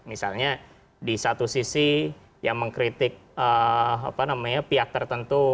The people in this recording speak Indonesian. misalnya di satu sisi yang mengkritik pihak tertentu